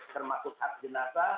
termasuk hak jenazah